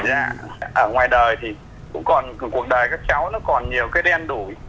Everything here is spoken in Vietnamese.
nhà ở ngoài đời thì cũng còn cuộc đời các cháu nó còn nhiều cái đen đủ